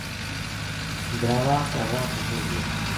دراوا کو راہ پو ٹُر گیا